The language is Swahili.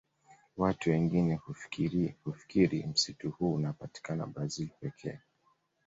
Watu wengine hufikiri msitu huu unapatikana Brazil pekee